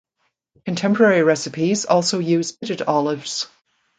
Contemporary recipes also use pitted olives.